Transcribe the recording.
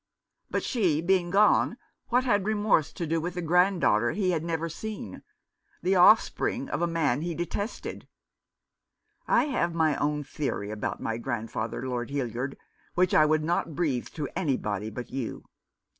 But, she being gone, what had remorse to do with the granddaughter he had never seen — the offspring of a man he detested ? I have my own theory about my grandfather, Lord Hildyard, which I would not breathe to anybody but you.